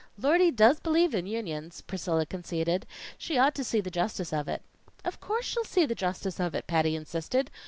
"Lordy does believe in Unions," Priscilla conceded. "She ought to see the justice of it." "Of course she'll see the justice of it," Patty insisted.